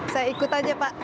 saya ikut aja pak